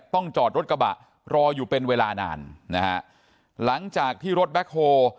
ต้องจอดรถกระบะรออยู่เป็นเวลานานนะฮะหลังจากที่รถแบ็คโฮ